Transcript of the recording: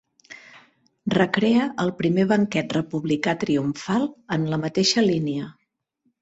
Recrea el primer banquet republicà triomfal en la mateixa línia.